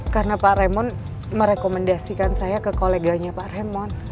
karena pak raymond merekomendasikan saya ke koleganya pak raymond